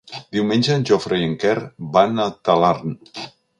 Diumenge en Jofre i en Quer van a Talarn.